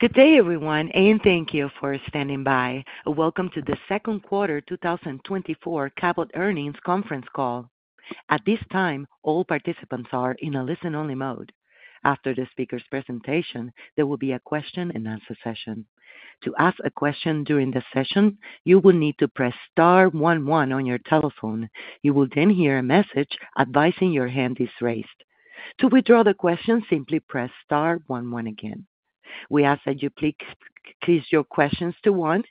Good day, everyone, and thank you for standing by. Welcome to the second quarter 2024 Cabot Earnings conference call. At this time, all participants are in a listen-only mode. After the speaker's presentation, there will be a question-and-answer session. To ask a question during the session, you will need to press star 11 on your telephone. You will then hear a message advising your hand is raised. To withdraw the question, simply press star 11 again. We ask that you please close your questions to 1,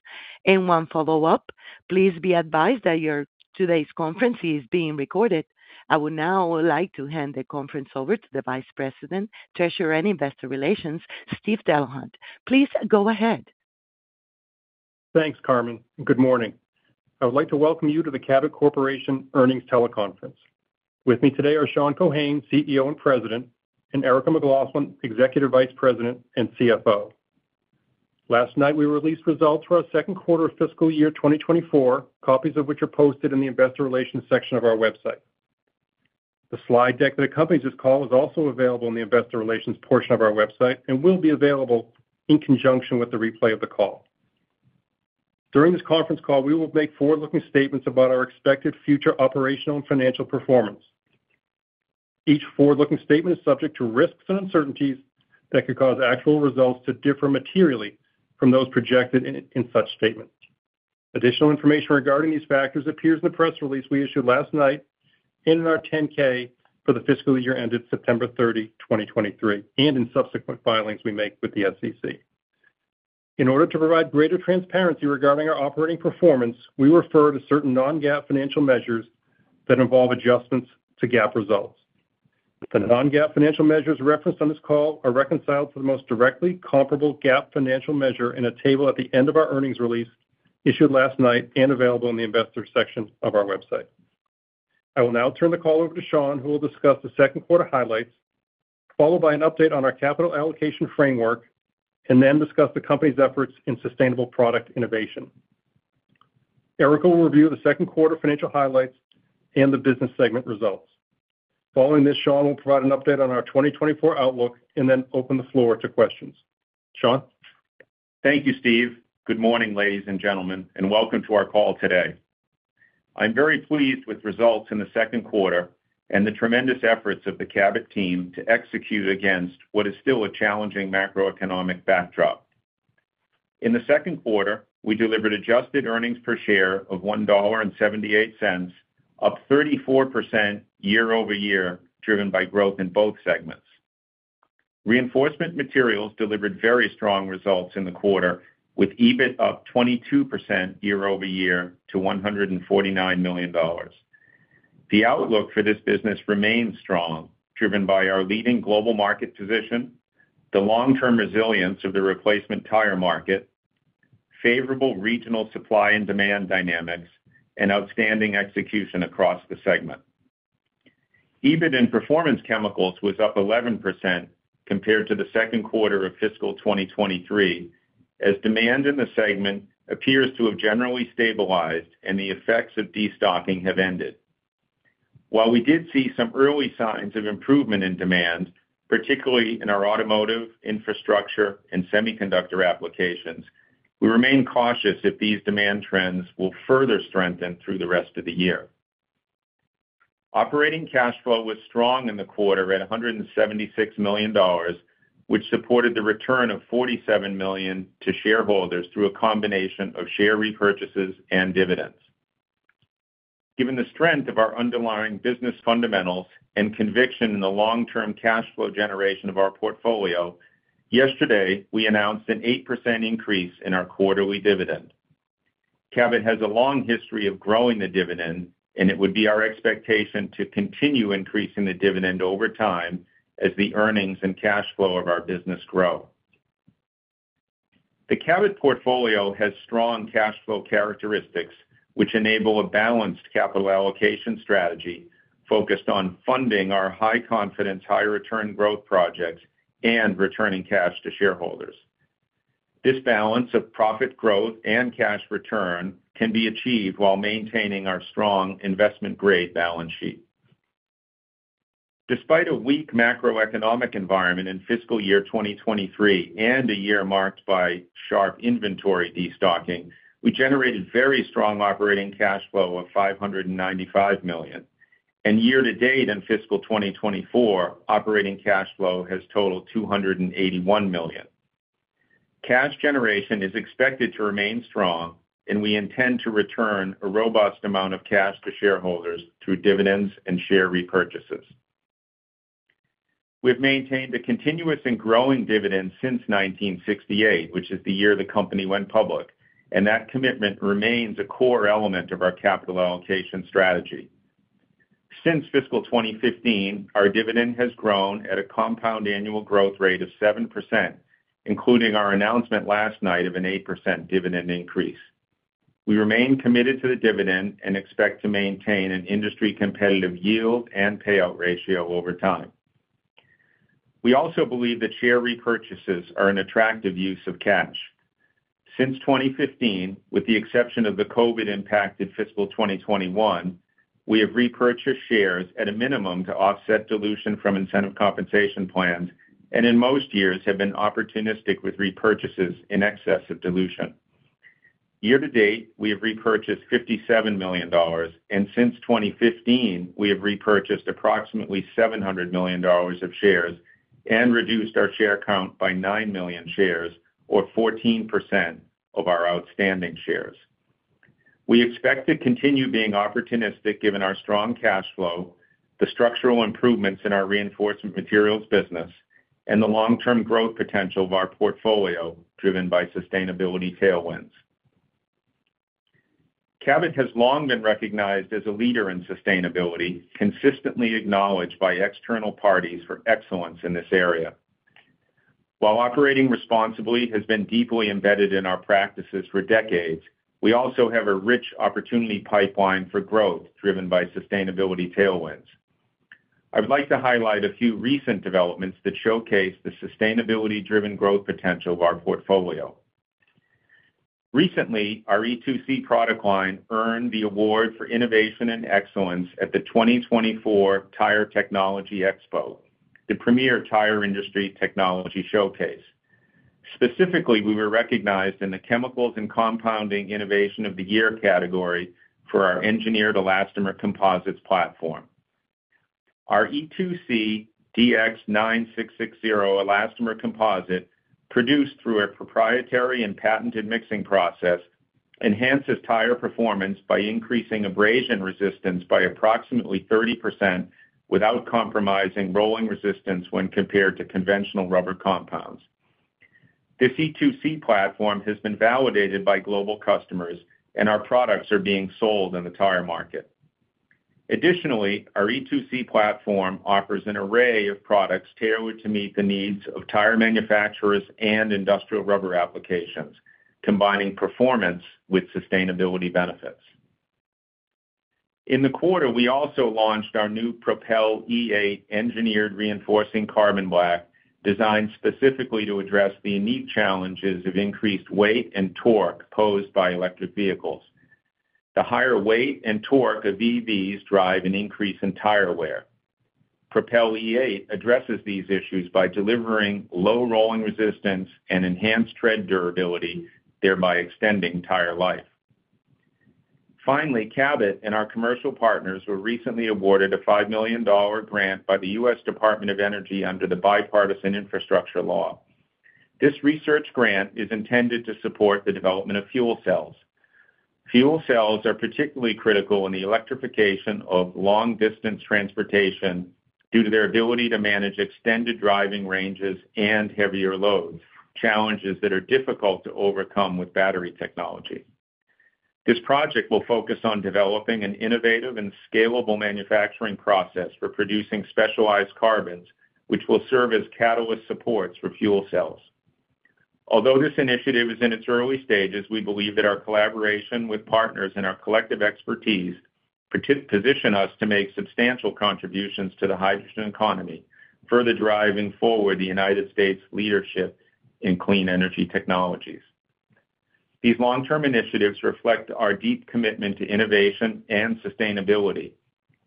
and one follow-up: please be advised that today's conference is being recorded. I would now like to hand the conference over to the Vice President, Treasurer, and Investor Relations, Steve Delahunt. Please go ahead. Thanks, Carmen, and good morning. I would like to welcome you to the Cabot Corporation Earnings Teleconference. With me today are Sean Keohane, CEO and President, and Erica McLaughlin, Executive Vice President and CFO. Last night we released results for our second quarter of fiscal year 2024, copies of which are posted in the Investor Relations section of our website. The slide deck that accompanies this call is also available in the Investor Relations portion of our website and will be available in conjunction with the replay of the call. During this conference call, we will make forward-looking statements about our expected future operational and financial performance. Each forward-looking statement is subject to risks and uncertainties that could cause actual results to differ materially from those projected in such statements. Additional information regarding these factors appears in the press release we issued last night and in our 10-K for the fiscal year ended September 30, 2023, and in subsequent filings we make with the SEC. In order to provide greater transparency regarding our operating performance, we refer to certain non-GAAP financial measures that involve adjustments to GAAP results. The non-GAAP financial measures referenced on this call are reconciled to the most directly comparable GAAP financial measure in a table at the end of our earnings release issued last night and available in the Investor section of our website. I will now turn the call over to Sean, who will discuss the second quarter highlights, followed by an update on our capital allocation framework, and then discuss the company's efforts in sustainable product innovation. Erica will review the second quarter financial highlights and the business segment results. Following this, Sean will provide an update on our 2024 outlook and then open the floor to questions. Sean? Thank you, Steve. Good morning, ladies and gentlemen, and welcome to our call today. I'm very pleased with results in the second quarter and the tremendous efforts of the Cabot team to execute against what is still a challenging macroeconomic backdrop. In the second quarter, we delivered adjusted earnings per share of $1.78, up 34% year-over-year driven by growth in both segments. Reinforcement Materials delivered very strong results in the quarter, with EBIT up 22% year-over-year to $149 million. The outlook for this business remains strong, driven by our leading global market position, the long-term resilience of the replacement tire market, favorable regional supply and demand dynamics, and outstanding execution across the segment. EBIT in Performance Chemicals was up 11% compared to the second quarter of fiscal 2023, as demand in the segment appears to have generally stabilized and the effects of destocking have ended. While we did see some early signs of improvement in demand, particularly in our automotive, infrastructure, and semiconductor applications, we remain cautious if these demand trends will further strengthen through the rest of the year. Operating cash flow was strong in the quarter at $176 million, which supported the return of $47 million to shareholders through a combination of share repurchases and dividends. Given the strength of our underlying business fundamentals and conviction in the long-term cash flow generation of our portfolio, yesterday we announced an 8% increase in our quarterly dividend. Cabot has a long history of growing the dividend, and it would be our expectation to continue increasing the dividend over time as the earnings and cash flow of our business grow. The Cabot portfolio has strong cash flow characteristics, which enable a balanced capital allocation strategy focused on funding our high-confidence, high-return growth projects and returning cash to shareholders. This balance of profit growth and cash return can be achieved while maintaining our strong investment-grade balance sheet. Despite a weak macroeconomic environment in fiscal year 2023 and a year marked by sharp inventory destocking, we generated very strong operating cash flow of $595 million. Year to date in fiscal 2024, operating cash flow has totaled $281 million. Cash generation is expected to remain strong, and we intend to return a robust amount of cash to shareholders through dividends and share repurchases. We have maintained a continuous and growing dividend since 1968, which is the year the company went public, and that commitment remains a core element of our capital allocation strategy. Since fiscal 2015, our dividend has grown at a compound annual growth rate of 7%, including our announcement last night of an 8% dividend increase. We remain committed to the dividend and expect to maintain an industry-competitive yield and payout ratio over time. We also believe that share repurchases are an attractive use of cash. Since 2015, with the exception of the COVID-impacted fiscal 2021, we have repurchased shares at a minimum to offset dilution from incentive compensation plans and in most years have been opportunistic with repurchases in excess of dilution. Year to date, we have repurchased $57 million, and since 2015, we have repurchased approximately $700 million of shares and reduced our share count by 9 million shares, or 14% of our outstanding shares. We expect to continue being opportunistic given our strong cash flow, the structural improvements in our Reinforcement Materials business, and the long-term growth potential of our portfolio driven by sustainability tailwinds. Cabot has long been recognized as a leader in sustainability, consistently acknowledged by external parties for excellence in this area. While operating responsibly has been deeply embedded in our practices for decades, we also have a rich opportunity pipeline for growth driven by sustainability tailwinds. I would like to highlight a few recent developments that showcase the sustainability-driven growth potential of our portfolio. Recently, our E2C product line earned the Award for Innovation and Excellence at the 2024 Tire Technology Expo, the premier tire industry technology showcase. Specifically, we were recognized in the Chemicals and Compounding Innovation of the Year category for our engineered elastomer composites platform. Our E2C DX9660 elastomer composite, produced through a proprietary and patented mixing process, enhances tire performance by increasing abrasion resistance by approximately 30% without compromising rolling resistance when compared to conventional rubber compounds. This E2C platform has been validated by global customers, and our products are being sold in the tire market. Additionally, our E2C platform offers an array of products tailored to meet the needs of tire manufacturers and industrial rubber applications, combining performance with sustainability benefits. In the quarter, we also launched our new PROPEL E8 engineered reinforcing carbon black, designed specifically to address the unique challenges of increased weight and torque posed by electric vehicles. The higher weight and torque of EVs drive an increase in tire wear. PROPEL E8 addresses these issues by delivering low rolling resistance and enhanced tread durability, thereby extending tire life. Finally, Cabot and our commercial partners were recently awarded a $5 million grant by the U.S. Department of Energy under the Bipartisan Infrastructure Law. This research grant is intended to support the development of fuel cells. Fuel cells are particularly critical in the electrification of long-distance transportation due to their ability to manage extended driving ranges and heavier loads, challenges that are difficult to overcome with battery technology. This project will focus on developing an innovative and scalable manufacturing process for producing specialized carbons, which will serve as catalyst supports for fuel cells. Although this initiative is in its early stages, we believe that our collaboration with partners and our collective expertise position us to make substantial contributions to the hydrogen economy, further driving forward the United States' leadership in clean energy technologies. These long-term initiatives reflect our deep commitment to innovation and sustainability,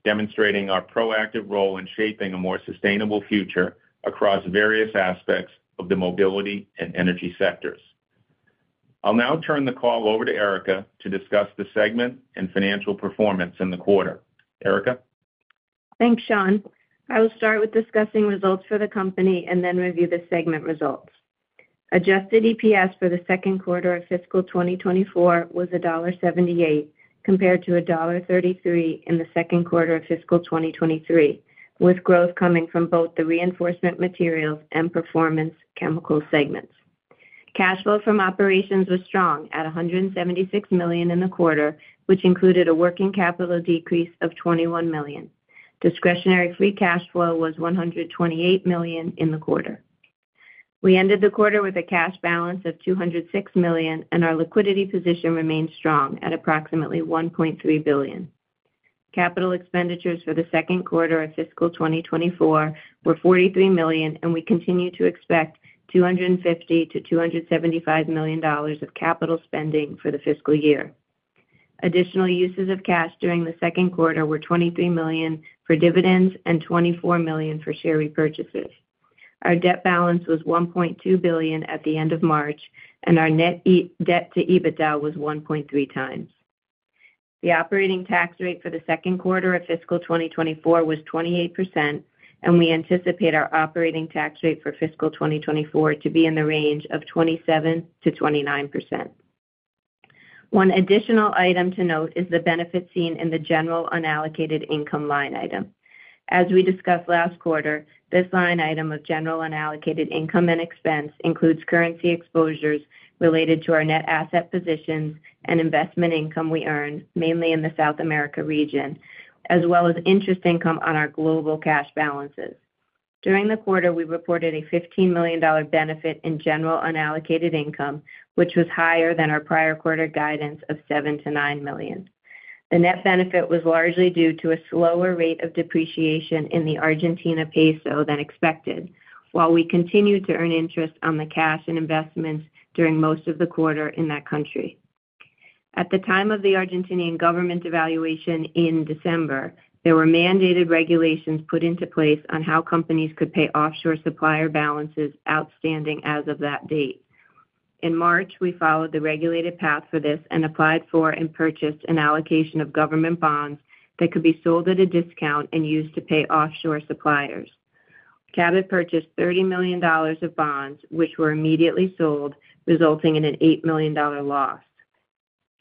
demonstrating our proactive role in shaping a more sustainable future across various aspects of the mobility and energy sectors. I'll now turn the call over to Erica to discuss the segment and financial performance in the quarter. Erica? Thanks, Sean. I will start with discussing results for the company and then review the segment results. Adjusted EPS for the second quarter of fiscal 2024 was $1.78 compared to $1.33 in the second quarter of fiscal 2023, with growth coming from both the Reinforcement Materials and Performance Chemicals segments. Cash flow from operations was strong at $176 million in the quarter, which included a working capital decrease of $21 million. Discretionary free cash flow was $128 million in the quarter. We ended the quarter with a cash balance of $206 million, and our liquidity position remained strong at approximately $1.3 billion. Capital expenditures for the second quarter of fiscal 2024 were $43 million, and we continue to expect $250-$275 million of capital spending for the fiscal year. Additional uses of cash during the second quarter were $23 million for dividends and $24 million for share repurchases. Our debt balance was $1.2 billion at the end of March, and our net debt to EBITDA was 1.3 times. The operating tax rate for the second quarter of fiscal 2024 was 28%, and we anticipate our operating tax rate for fiscal 2024 to be in the range of 27%-29%. One additional item to note is the benefit seen in the general unallocated income line item. As we discussed last quarter, this line item of general unallocated income and expense includes currency exposures related to our net asset positions and investment income we earn, mainly in the South America region, as well as interest income on our global cash balances. During the quarter, we reported a $15 million benefit in general unallocated income, which was higher than our prior quarter guidance of $7 million-$9 million. The net benefit was largely due to a slower rate of depreciation in the Argentina peso than expected, while we continued to earn interest on the cash and investments during most of the quarter in that country. At the time of the Argentine government devaluation in December, there were mandated regulations put into place on how companies could pay offshore supplier balances outstanding as of that date. In March, we followed the regulated path for this and applied for and purchased an allocation of government bonds that could be sold at a discount and used to pay offshore suppliers. Cabot purchased $30 million of bonds, which were immediately sold, resulting in an $8 million loss.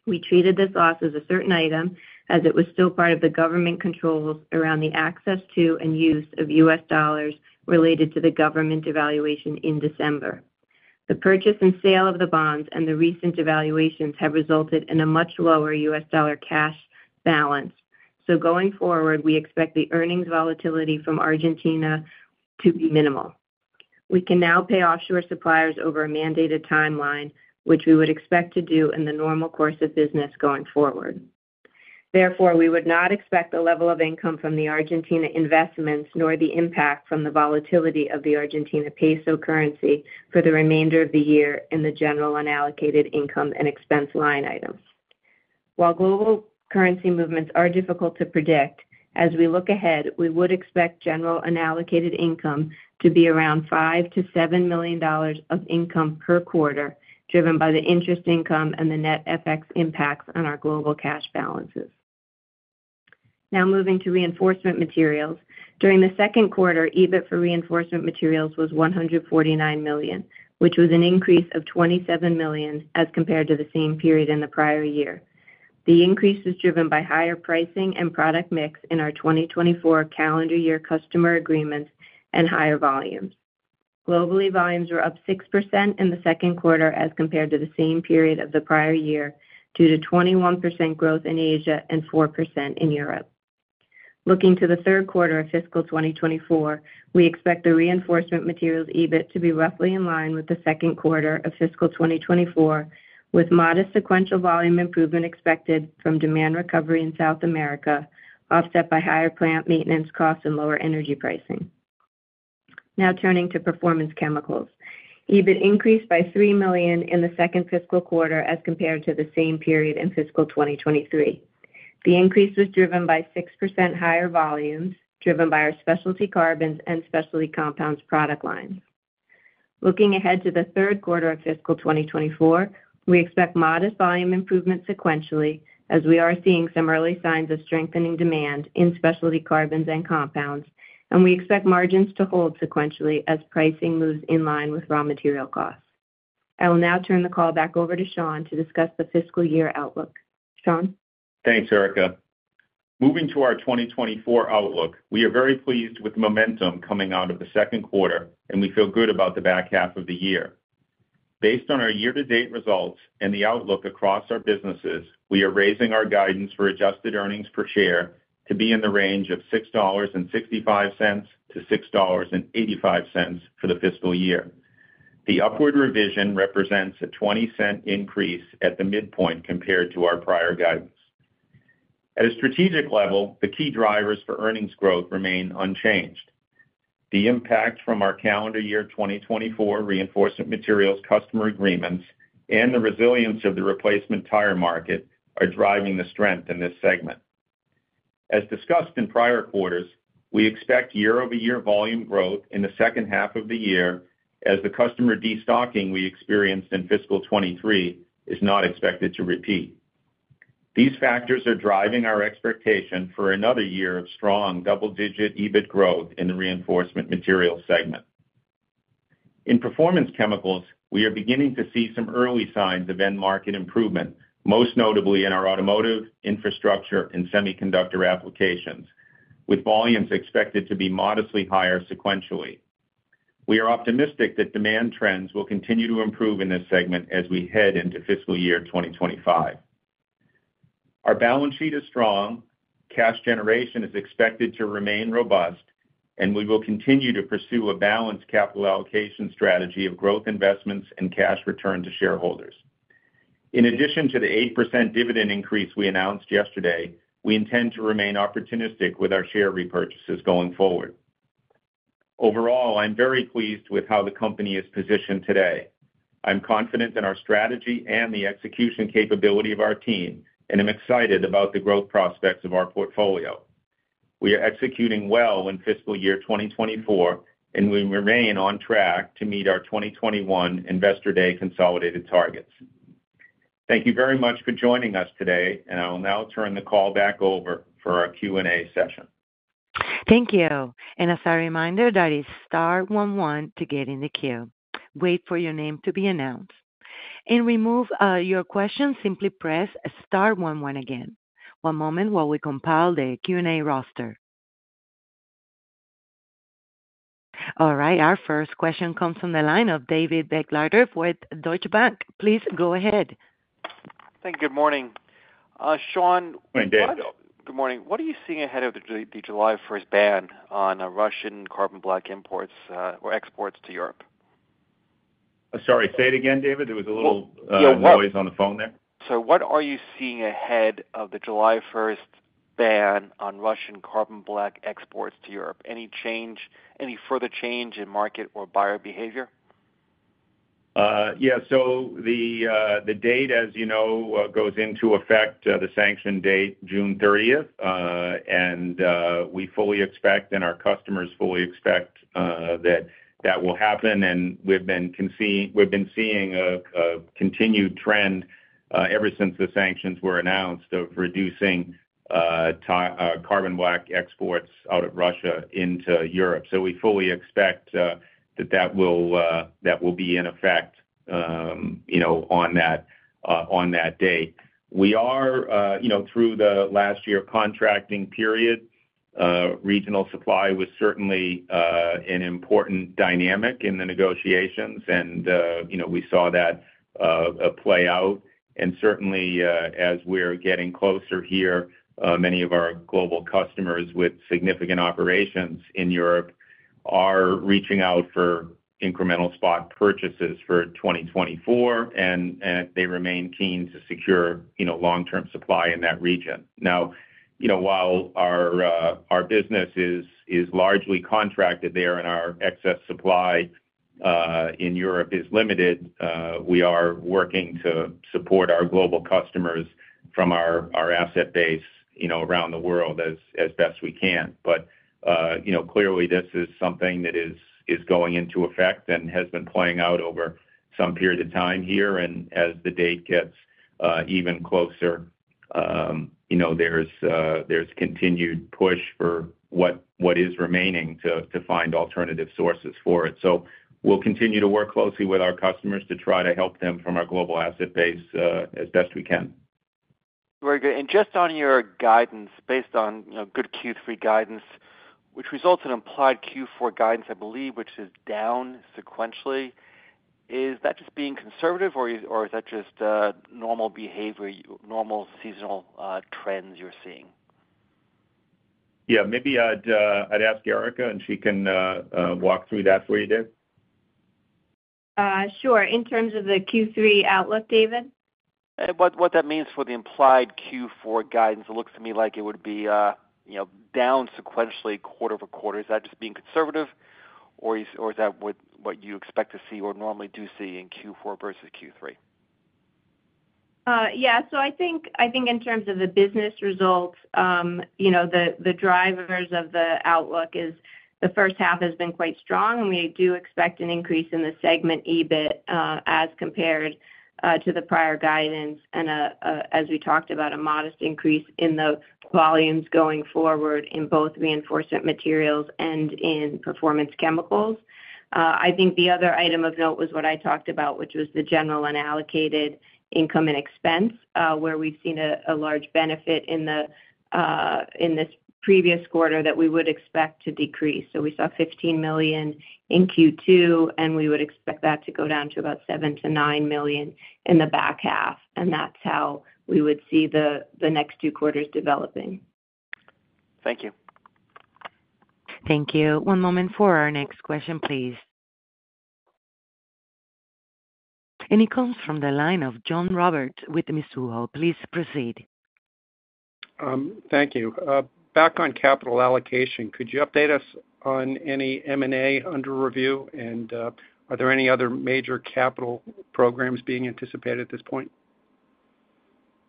We treated this loss as a certain item as it was still part of the government controls around the access to and use of US dollars related to the government devaluation in December. The purchase and sale of the bonds and the recent devaluations have resulted in a much lower U.S. dollar cash balance. So going forward, we expect the earnings volatility from Argentina to be minimal. We can now pay offshore suppliers over a mandated timeline, which we would expect to do in the normal course of business going forward. Therefore, we would not expect the level of income from the Argentina investments nor the impact from the volatility of the Argentine peso currency for the remainder of the year in the general unallocated income and expense line items. While global currency movements are difficult to predict, as we look ahead, we would expect general unallocated income to be around $5 million-$7 million of income per quarter, driven by the interest income and the net effects and impacts on our global cash balances. Now moving to reinforcement materials. During the second quarter, EBIT for Reinforcement Materials was $149 million, which was an increase of $27 million as compared to the same period in the prior year. The increase was driven by higher pricing and product mix in our 2024 calendar year customer agreements and higher volumes. Globally, volumes were up 6% in the second quarter as compared to the same period of the prior year due to 21% growth in Asia and 4% in Europe. Looking to the third quarter of fiscal 2024, we expect the Reinforcement Materials EBIT to be roughly in line with the second quarter of fiscal 2024, with modest sequential volume improvement expected from demand recovery in South America, offset by higher plant maintenance costs and lower energy pricing. Now turning to Performance Chemicals. EBIT increased by $3 million in the second fiscal quarter as compared to the same period in fiscal 2023. The increase was driven by 6% higher volumes driven by our specialty carbons and specialty compounds product lines. Looking ahead to the third quarter of fiscal 2024, we expect modest volume improvement sequentially as we are seeing some early signs of strengthening demand in specialty carbons and compounds, and we expect margins to hold sequentially as pricing moves in line with raw material costs. I will now turn the call back over to Sean to discuss the fiscal year outlook. Sean? Thanks, Erica. Moving to our 2024 outlook, we are very pleased with the momentum coming out of the second quarter, and we feel good about the back half of the year. Based on our year-to-date results and the outlook across our businesses, we are raising our guidance for adjusted earnings per share to be in the range of $6.65-$6.85 for the fiscal year. The upward revision represents a $0.20 increase at the midpoint compared to our prior guidance. At a strategic level, the key drivers for earnings growth remain unchanged. The impact from our calendar year 2024 reinforcement materials customer agreements and the resilience of the replacement tire market are driving the strength in this segment. As discussed in prior quarters, we expect year-over-year volume growth in the second half of the year as the customer destocking we experienced in fiscal 2023 is not expected to repeat. These factors are driving our expectation for another year of strong double-digit EBIT growth in the Reinforcement Materials segment. In Performance Chemicals, we are beginning to see some early signs of end-market improvement, most notably in our automotive, infrastructure, and semiconductor applications, with volumes expected to be modestly higher sequentially. We are optimistic that demand trends will continue to improve in this segment as we head into fiscal year 2025. Our balance sheet is strong, cash generation is expected to remain robust, and we will continue to pursue a balanced capital allocation strategy of growth investments and cash return to shareholders. In addition to the 8% dividend increase we announced yesterday, we intend to remain opportunistic with our share repurchases going forward. Overall, I'm very pleased with how the company is positioned today. I'm confident in our strategy and the execution capability of our team, and I'm excited about the growth prospects of our portfolio. We are executing well in fiscal year 2024, and we remain on track to meet our 2021 Investor Day consolidated targets. Thank you very much for joining us today, and I will now turn the call back over for our Q&A session. Thank you. And as a reminder, that is star 11 to get in the queue. Wait for your name to be announced. And remove your question, simply press star 11 again. One moment while we compile the Q&A roster. All right. Our first question comes from the line of David Begleiter with Deutsche Bank. Please go ahead. Thank you. Good morning. Sean. Hey, David. Good morning. What are you seeing ahead of the July 1st ban on Russian carbon black imports or exports to Europe? Sorry. Say it again, David. There was a little noise on the phone there. What are you seeing ahead of the July 1st ban on Russian carbon black exports to Europe? Any further change in market or buyer behavior? Yeah. So the date, as you know, goes into effect, the sanction date, June 30th. And we fully expect, and our customers fully expect, that that will happen. And we've been seeing a continued trend ever since the sanctions were announced of reducing carbon black exports out of Russia into Europe. So we fully expect that that will be in effect on that date. We are, through the last year contracting period, regional supply was certainly an important dynamic in the negotiations, and we saw that play out. And certainly, as we're getting closer here, many of our global customers with significant operations in Europe are reaching out for incremental spot purchases for 2024, and they remain keen to secure long-term supply in that region. Now, while our business is largely contracted there and our excess supply in Europe is limited, we are working to support our global customers from our asset base around the world as best we can. But clearly, this is something that is going into effect and has been playing out over some period of time here. And as the date gets even closer, there's continued push for what is remaining to find alternative sources for it. So we'll continue to work closely with our customers to try to help them from our global asset base as best we can. Very good. And just on your guidance, based on good Q3 guidance, which results in implied Q4 guidance, I believe, which is down sequentially, is that just being conservative, or is that just normal behavior, normal seasonal trends you're seeing? Yeah. Maybe I'd ask Erica, and she can walk through that for you there. Sure. In terms of the Q3 outlook, David? What that means for the implied Q4 guidance, it looks to me like it would be down sequentially quarter over quarter. Is that just being conservative, or is that what you expect to see or normally do see in Q4 versus Q3? Yeah. So I think in terms of the business results, the drivers of the outlook is the first half has been quite strong, and we do expect an increase in the segment EBIT as compared to the prior guidance. And as we talked about, a modest increase in the volumes going forward in both Reinforcement Materials and in Performance Chemicals. I think the other item of note was what I talked about, which was the general unallocated income and expense, where we've seen a large benefit in this previous quarter that we would expect to decrease. So we saw $15 million in Q2, and we would expect that to go down to about $7-$9 million in the back half. And that's how we would see the next two quarters developing. Thank you. Thank you. One moment for our next question, please. It comes from the line of John Roberts with Mizuho. Please proceed. Thank you. Back on capital allocation, could you update us on any M&A under review? Are there any other major capital programs being anticipated at this point?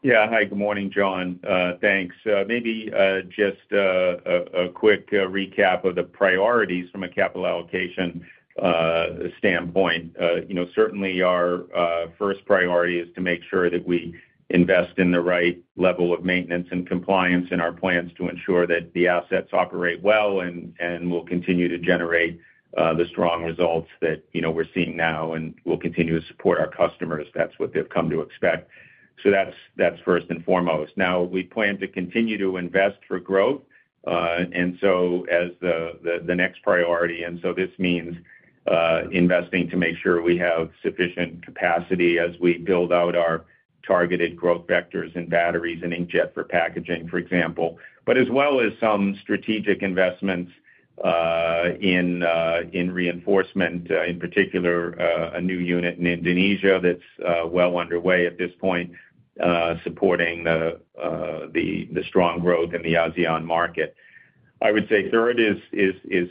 Yeah. Hi. Good morning, John. Thanks. Maybe just a quick recap of the priorities from a capital allocation standpoint. Certainly, our first priority is to make sure that we invest in the right level of maintenance and compliance in our plants to ensure that the assets operate well and will continue to generate the strong results that we're seeing now and will continue to support our customers. That's what they've come to expect. So that's first and foremost. Now, we plan to continue to invest for growth and so as the next priority. And so this means investing to make sure we have sufficient capacity as we build out our targeted growth vectors in batteries and inkjet for packaging, for example, but as well as some strategic investments in reinforcement, in particular, a new unit in Indonesia that's well underway at this point supporting the strong growth in the ASEAN market. I would say third is,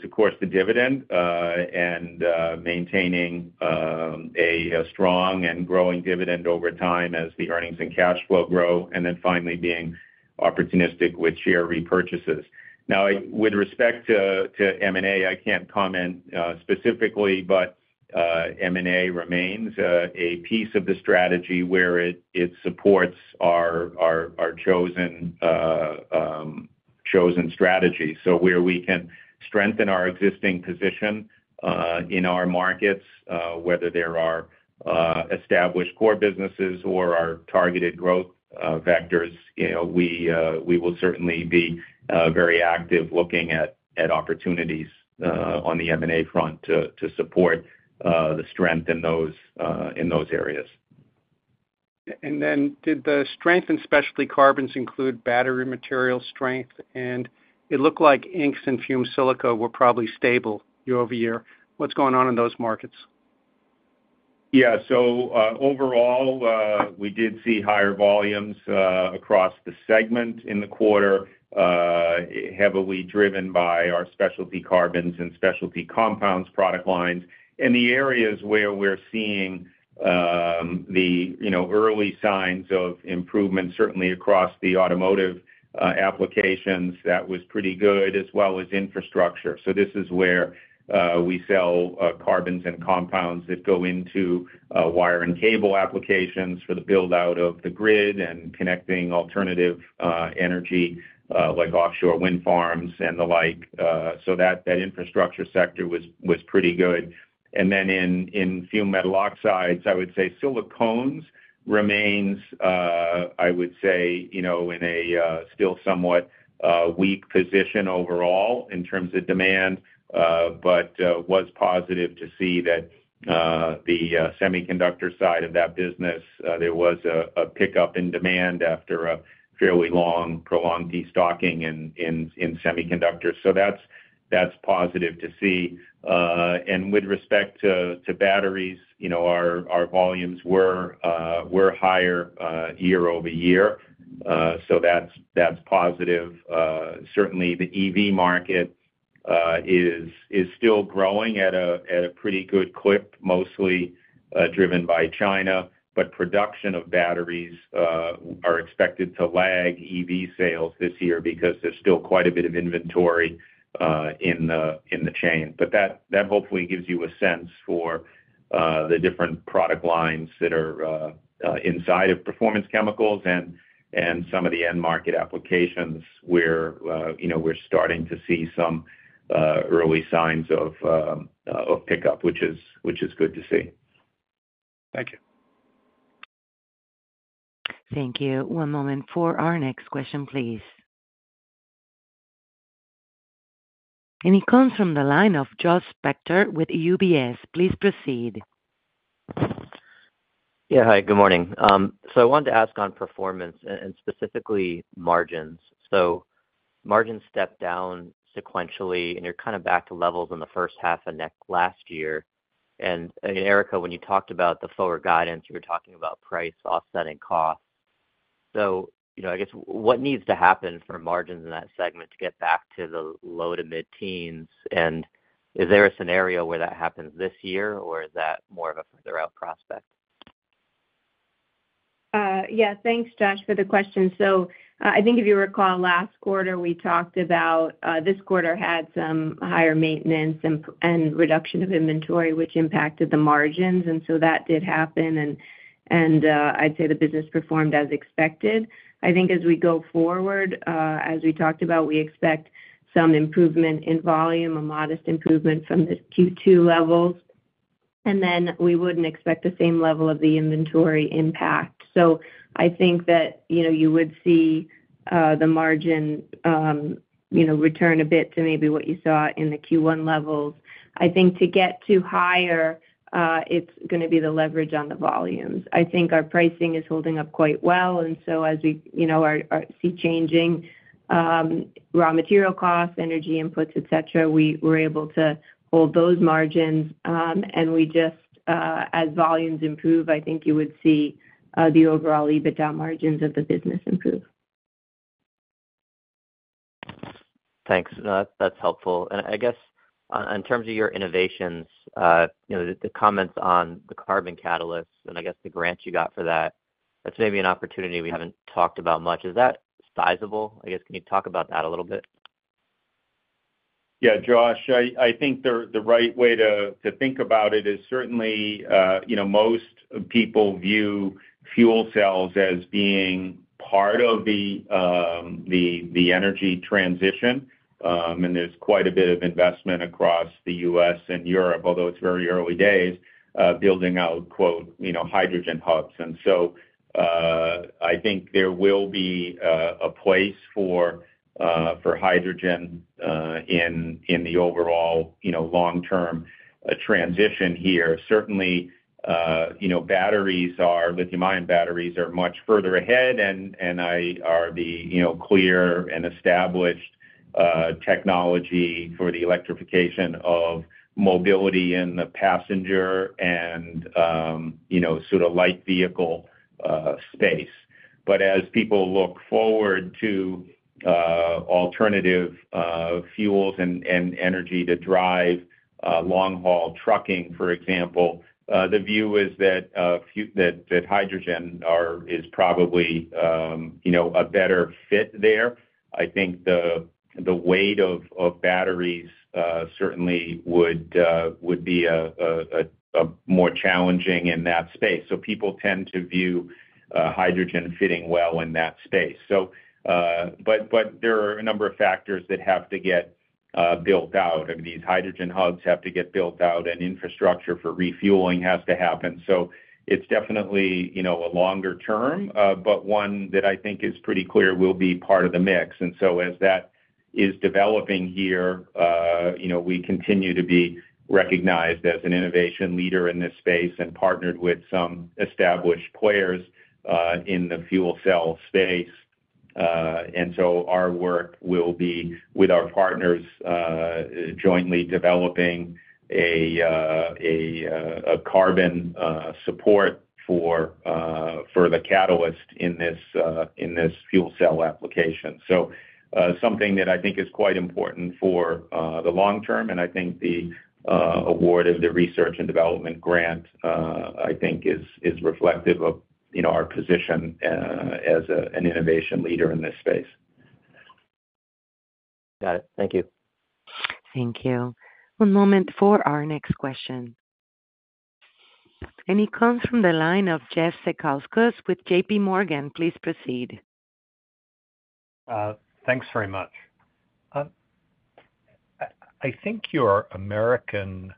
of course, the dividend and maintaining a strong and growing dividend over time as the earnings and cash flow grow, and then finally being opportunistic with share repurchases. Now, with respect to M&A, I can't comment specifically, but M&A remains a piece of the strategy where it supports our chosen strategy. So where we can strengthen our existing position in our markets, whether they're our established core businesses or our targeted growth vectors, we will certainly be very active looking at opportunities on the M&A front to support the strength in those areas. Did the strength in Specialty Carbons include battery material strength? It looked like inks and fumed silica were probably stable year-over-year. What's going on in those markets? Yeah. So overall, we did see higher volumes across the segment in the quarter, heavily driven by our Specialty Carbons and Specialty Compounds product lines. And the areas where we're seeing the early signs of improvement, certainly across the automotive applications, that was pretty good as well as infrastructure. So this is where we sell carbons and compounds that go into wire and cable applications for the build-out of the grid and connecting alternative energy like offshore wind farms and the like. So that infrastructure sector was pretty good. And then in fumed metal oxides, I would say silicones remains, I would say, in a still somewhat weak position overall in terms of demand but was positive to see that the semiconductor side of that business, there was a pickup in demand after a fairly long, prolonged destocking in semiconductors. So that's positive to see. With respect to batteries, our volumes were higher year-over-year. That's positive. Certainly, the EV market is still growing at a pretty good clip, mostly driven by China, but production of batteries are expected to lag EV sales this year because there's still quite a bit of inventory in the chain. That hopefully gives you a sense for the different product lines that are inside of Performance Chemicals and some of the end-market applications where we're starting to see some early signs of pickup, which is good to see. Thank you. Thank you. One moment for our next question, please. It comes from the line of Josh Spector with UBS. Please proceed. Yeah. Hi. Good morning. So I wanted to ask on performance and specifically margins. So margins stepped down sequentially, and you're kind of back to levels in the first half of last year. And Erica, when you talked about the forward guidance, you were talking about price offsetting costs. So I guess what needs to happen for margins in that segment to get back to the low to mid-teens? And is there a scenario where that happens this year, or is that more of a further out prospect? Yeah. Thanks, Josh, for the question. So I think if you recall, last quarter, we talked about this quarter had some higher maintenance and reduction of inventory, which impacted the margins. And so that did happen, and I'd say the business performed as expected. I think as we go forward, as we talked about, we expect some improvement in volume, a modest improvement from the Q2 levels. And then we wouldn't expect the same level of the inventory impact. So I think that you would see the margin return a bit to maybe what you saw in the Q1 levels. I think to get to higher, it's going to be the leverage on the volumes. I think our pricing is holding up quite well. And so as we see changing raw material costs, energy inputs, etc., we're able to hold those margins. As volumes improve, I think you would see the overall EBITDA margins of the business improve. Thanks. That's helpful. And I guess in terms of your innovations, the comments on the carbon catalysts and I guess the grant you got for that, that's maybe an opportunity we haven't talked about much. Is that sizable? I guess can you talk about that a little bit? Yeah, Josh. I think the right way to think about it is certainly most people view fuel cells as being part of the energy transition. And there's quite a bit of investment across the U.S. and Europe, although it's very early days, building out "hydrogen hubs." And so I think there will be a place for hydrogen in the overall long-term transition here. Certainly, lithium-ion batteries are much further ahead, and they are the clear and established technology for the electrification of mobility in the passenger and sort of light vehicle space. But as people look forward to alternative fuels and energy to drive long-haul trucking, for example, the view is that hydrogen is probably a better fit there. I think the weight of batteries certainly would be more challenging in that space. So people tend to view hydrogen fitting well in that space. But there are a number of factors that have to get built out. I mean, these hydrogen hubs have to get built out, and infrastructure for refueling has to happen. So it's definitely a longer term, but one that I think is pretty clear will be part of the mix. And so as that is developing here, we continue to be recognized as an innovation leader in this space and partnered with some established players in the fuel cell space. And so our work will be, with our partners, jointly developing a carbon support for the catalyst in this fuel cell application. So something that I think is quite important for the long term. And I think the award of the research and development grant, I think, is reflective of our position as an innovation leader in this space. Got it. Thank you. Thank you. One moment for our next question. It comes from the line of Jeff Zekauskas with J.P. Morgan. Please proceed. Thanks very much. I think your Americas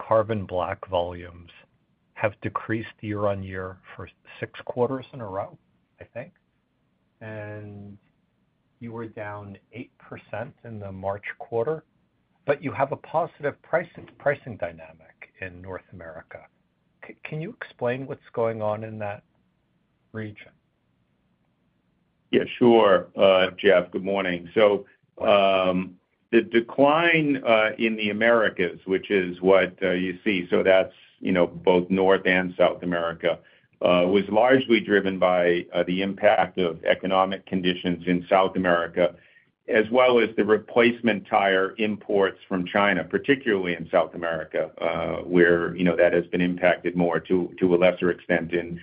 carbon black volumes have decreased year-on-year for six quarters in a row, I think. You were down 8% in the March quarter. You have a positive pricing dynamic in North America. Can you explain what's going on in that region? Yeah. Sure, Jeff. Good morning. So the decline in the Americas, which is what you see—so that's both North and South America—was largely driven by the impact of economic conditions in South America as well as the replacement tire imports from China, particularly in South America, where that has been impacted more to a lesser extent in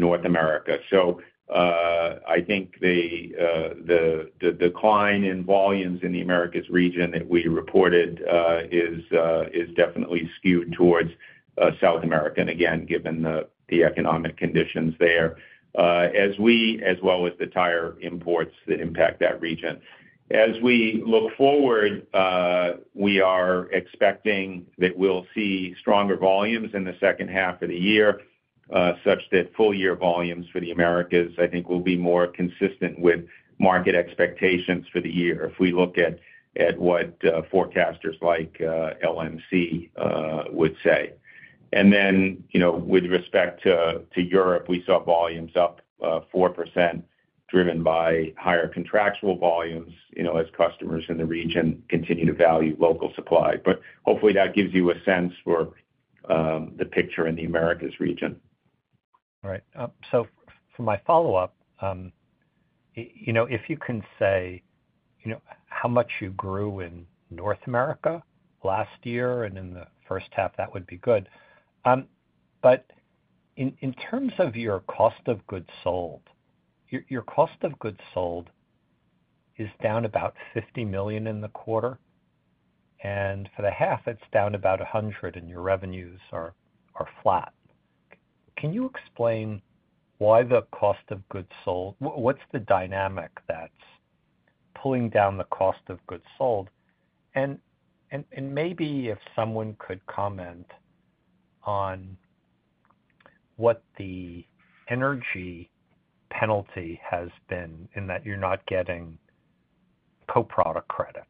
North America. So I think the decline in volumes in the Americas region that we reported is definitely skewed towards South America, and again, given the economic conditions there as well as the tire imports that impact that region. As we look forward, we are expecting that we'll see stronger volumes in the second half of the year such that full-year volumes for the Americas, I think, will be more consistent with market expectations for the year if we look at what forecasters like LMC would say. And then with respect to Europe, we saw volumes up 4% driven by higher contractual volumes as customers in the region continue to value local supply. But hopefully, that gives you a sense for the picture in the Americas region. All right. So for my follow-up, if you can say how much you grew in North America last year and in the first half, that would be good. But in terms of your cost of goods sold, your cost of goods sold is down about $50 million in the quarter. And for the half, it's down about $100 million, and your revenues are flat. Can you explain why the cost of goods sold, what's the dynamic that's pulling down the cost of goods sold? And maybe if someone could comment on what the energy penalty has been in that you're not getting co-product credits.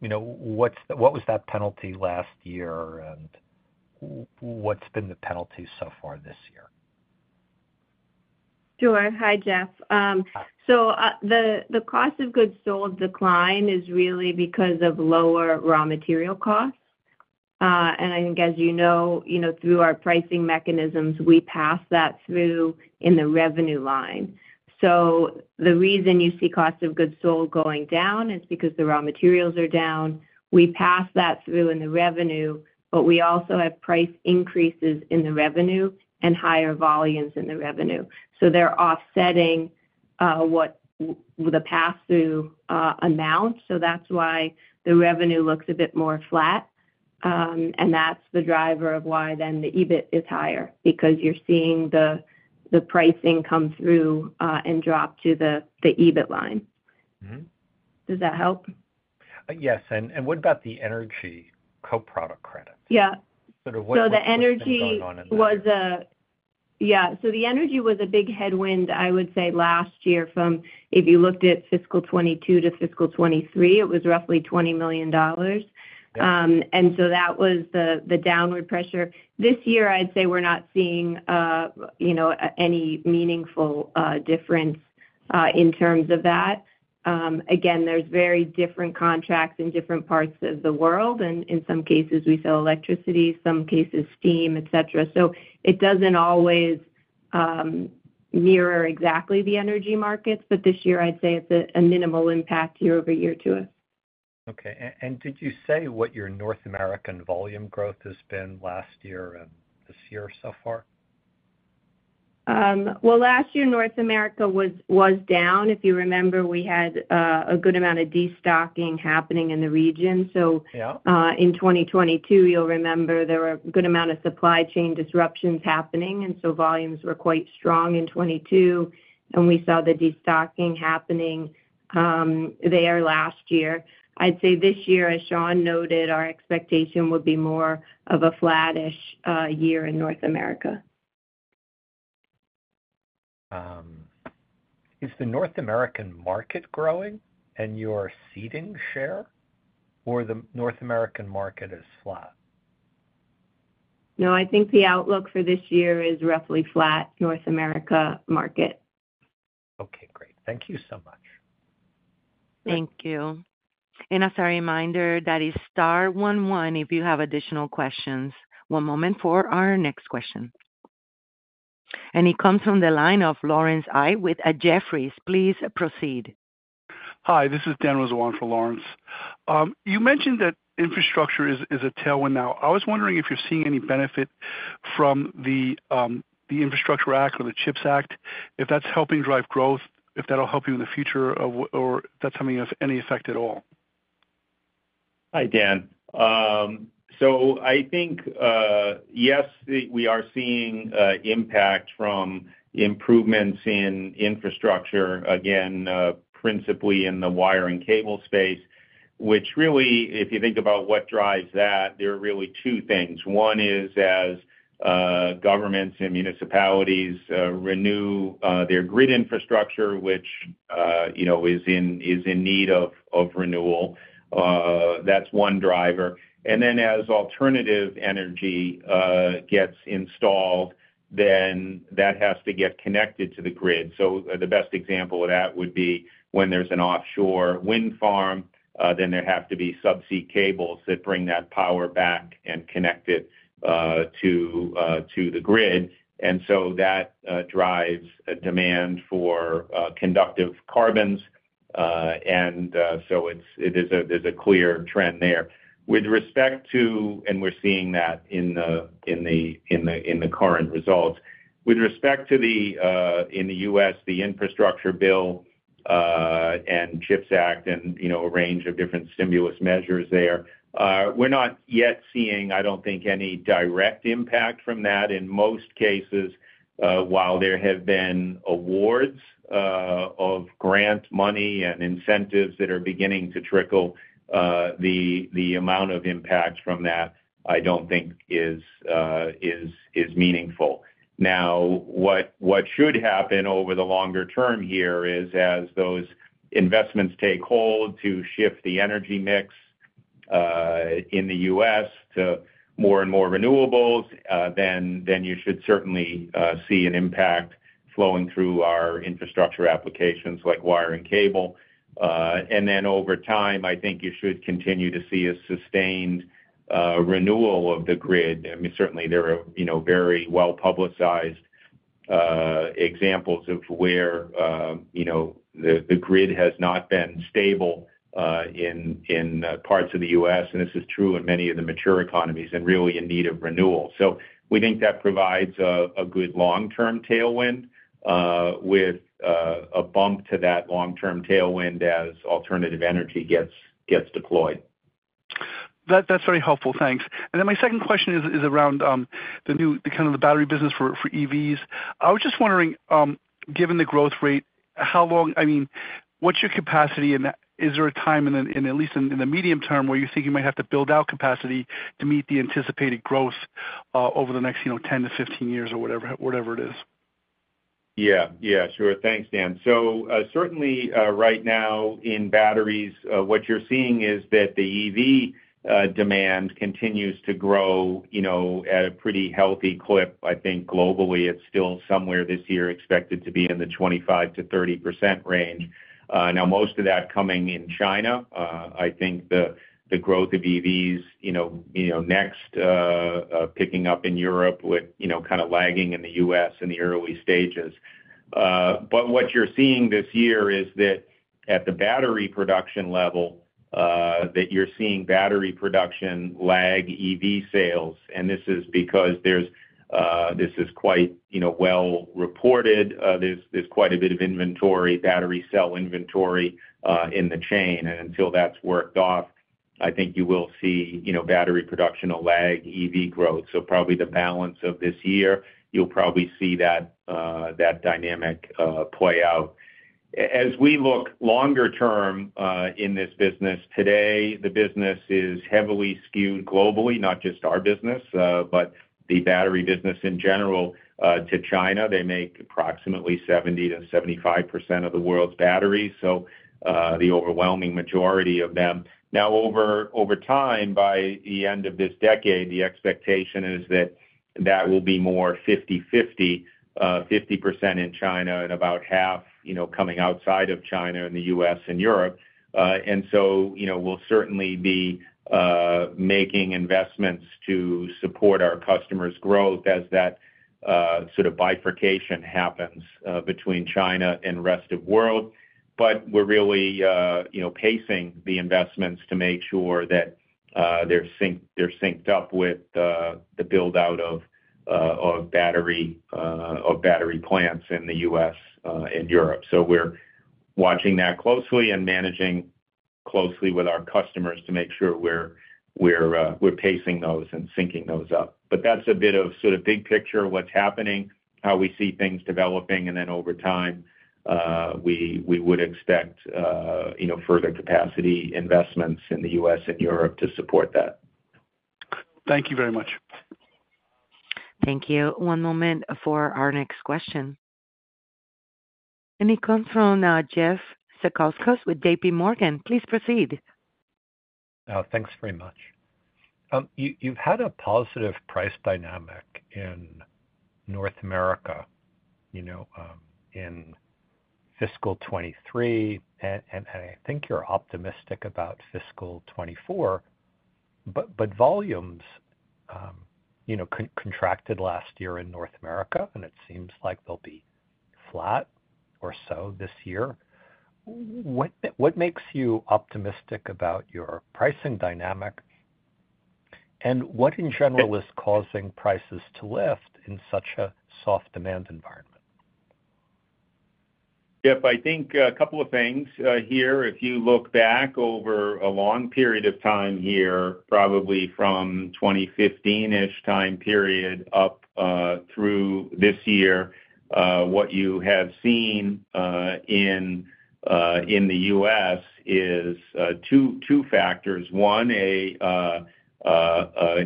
What was that penalty last year, and what's been the penalty so far this year? Sure. Hi, Jeff. So the cost of goods sold decline is really because of lower raw material costs. And I think, as you know, through our pricing mechanisms, we pass that through in the revenue line. So the reason you see cost of goods sold going down is because the raw materials are down. We pass that through in the revenue, but we also have price increases in the revenue and higher volumes in the revenue. So they're offsetting the pass-through amount. So that's why the revenue looks a bit more flat. And that's the driver of why then the EBIT is higher because you're seeing the pricing come through and drop to the EBIT line. Does that help? Yes. And what about the energy co-product credits? Sort of what was going on in the last year? Yeah. So the energy was a big headwind, I would say, last year from if you looked at fiscal 2022 to fiscal 2023, it was roughly $20 million. And so that was the downward pressure. This year, I'd say we're not seeing any meaningful difference in terms of that. Again, there's very different contracts in different parts of the world. And in some cases, we sell electricity, some cases, steam, etc. So it doesn't always mirror exactly the energy markets. But this year, I'd say it's a minimal impact year-over-year to us. Okay. Did you say what your North American volume growth has been last year and this year so far? Well, last year, North America was down. If you remember, we had a good amount of destocking happening in the region. So in 2022, you'll remember there were a good amount of supply chain disruptions happening. And so volumes were quite strong in 2022, and we saw the destocking happening there last year. I'd say this year, as Sean noted, our expectation would be more of a flat-ish year in North America. Is the North American market growing in your ceding share, or the North American market is flat? No. I think the outlook for this year is roughly flat North America market. Okay. Great. Thank you so much. Thank you. As a reminder, that is star 11 if you have additional questions. One moment for our next question. It comes from the line of Laurence Alexander with Jefferies. Please proceed. Hi. This is Dan Rizzo for Laurence. You mentioned that infrastructure is a tailwind now. I was wondering if you're seeing any benefit from the Infrastructure Act or the CHIPS Act, if that's helping drive growth, if that'll help you in the future, or if that's having any effect at all. Hi, Dan. So I think, yes, we are seeing impact from improvements in infrastructure, again, principally in the wire and cable space, which really, if you think about what drives that, there are really two things. One is as governments and municipalities renew their grid infrastructure, which is in need of renewal. That's one driver. And then as alternative energy gets installed, then that has to get connected to the grid. So the best example of that would be when there's an offshore wind farm, then there have to be subsea cables that bring that power back and connect it to the grid. And so that drives demand for conductive carbons. And so there's a clear trend there. And we're seeing that in the current results. With respect to, in the U.S., the Infrastructure Bill and CHIPS Act and a range of different stimulus measures there, we're not yet seeing, I don't think, any direct impact from that. In most cases, while there have been awards of grant money and incentives that are beginning to trickle, the amount of impact from that, I don't think, is meaningful. Now, what should happen over the longer term here is as those investments take hold to shift the energy mix in the U.S. to more and more renewables, then you should certainly see an impact flowing through our infrastructure applications like wire and cable. And then over time, I think you should continue to see a sustained renewal of the grid. I mean, certainly, there are very well-publicized examples of where the grid has not been stable in parts of the U.S. - and this is true in many of the mature economies - and really in need of renewal. So we think that provides a good long-term tailwind with a bump to that long-term tailwind as alternative energy gets deployed. That's very helpful. Thanks. And then my second question is around kind of the battery business for EVs. I was just wondering, given the growth rate, how long—I mean, what's your capacity? And is there a time, at least in the medium term, where you think you might have to build out capacity to meet the anticipated growth over the next 10-15 years or whatever it is? Yeah. Yeah. Sure. Thanks, Dan. So certainly, right now, in batteries, what you're seeing is that the EV demand continues to grow at a pretty healthy clip. I think globally, it's still somewhere this year expected to be in the 25%-30% range. Now, most of that coming in China. I think the growth of EVs next picking up in Europe with kind of lagging in the U.S. in the early stages. But what you're seeing this year is that at the battery production level, that you're seeing battery production lag EV sales. And this is because this is quite well-reported. There's quite a bit of inventory, battery cell inventory in the chain. And until that's worked off, I think you will see battery production will lag EV growth. So probably the balance of this year, you'll probably see that dynamic play out. As we look longer term in this business today, the business is heavily skewed globally, not just our business but the battery business in general to China. They make approximately 70%-75% of the world's batteries, so the overwhelming majority of them. Now, over time, by the end of this decade, the expectation is that that will be more 50/50, 50% in China and about half coming outside of China and the US and Europe. And so we'll certainly be making investments to support our customers' growth as that sort of bifurcation happens between China and rest of the world. But we're really pacing the investments to make sure that they're synced up with the buildout of battery plants in the US and Europe. So we're watching that closely and managing closely with our customers to make sure we're pacing those and syncing those up. But that's a bit of sort of big picture, what's happening, how we see things developing. And then over time, we would expect further capacity investments in the U.S. and Europe to support that. Thank you very much. Thank you. One moment for our next question. It comes from Jeff Zekauskas with J.P. Morgan. Please proceed. Thanks very much. You've had a positive price dynamic in North America in fiscal 2023, and I think you're optimistic about fiscal 2024. But volumes contracted last year in North America, and it seems like they'll be flat or so this year. What makes you optimistic about your pricing dynamic? And what, in general, is causing prices to lift in such a soft demand environment? Jeff, I think a couple of things here. If you look back over a long period of time here, probably from 2015-ish time period up through this year, what you have seen in the U.S. is two factors. One, an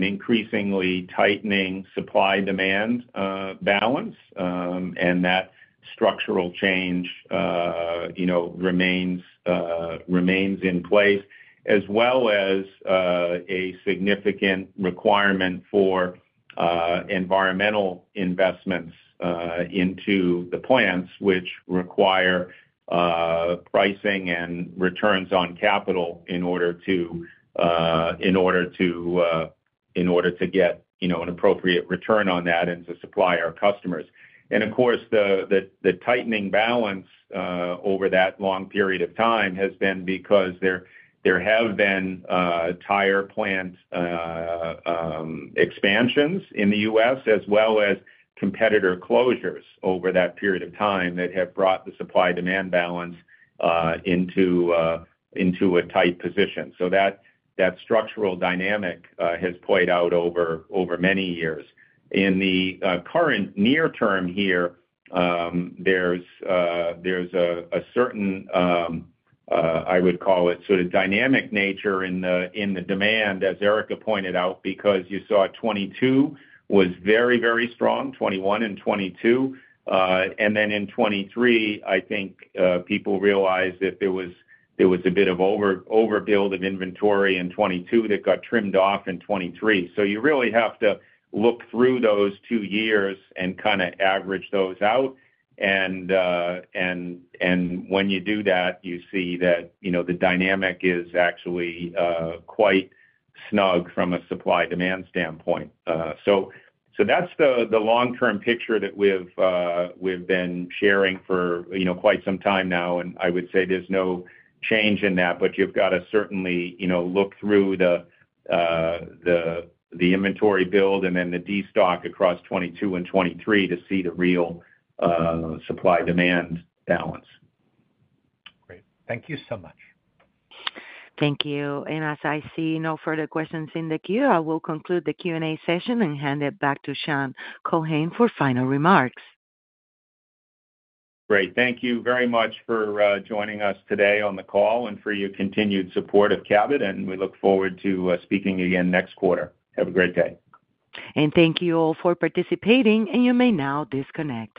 increasingly tightening supply-demand balance, and that structural change remains in place, as well as a significant requirement for environmental investments into the plants, which require pricing and returns on capital in order to get an appropriate return on that and to supply our customers. Of course, the tightening balance over that long period of time has been because there have been tire plant expansions in the U.S., as well as competitor closures over that period of time that have brought the supply-demand balance into a tight position. That structural dynamic has played out over many years. In the current near-term here, there's a certain, I would call it, sort of dynamic nature in the demand, as Erica pointed out, because you saw 2022 was very, very strong, 2021 and 2022. And then in 2023, I think people realized that there was a bit of overbuild of inventory in 2022 that got trimmed off in 2023. So you really have to look through those two years and kind of average those out. And when you do that, you see that the dynamic is actually quite snug from a supply-demand standpoint. So that's the long-term picture that we've been sharing for quite some time now. And I would say there's no change in that. But you've got to certainly look through the inventory build and then the destock across 2022 and 2023 to see the real supply-demand balance. Great. Thank you so much. Thank you. As I see no further questions in the queue, I will conclude the Q&A session and hand it back to Sean Keohane for final remarks. Great. Thank you very much for joining us today on the call and for your continued support of Cabot. We look forward to speaking again next quarter. Have a great day. Thank you all for participating. You may now disconnect.